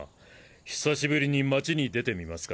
久しぶりに町に出てみますか？